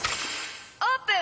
オープン！